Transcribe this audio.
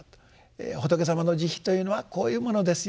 仏様の慈悲というのはこういうものですよ。